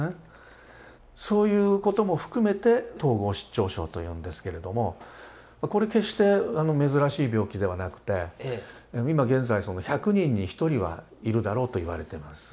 そういうことも含めて統合失調症というんですけれどもこれ決して珍しい病気ではなくて今現在１００人に１人はいるだろうと言われてます。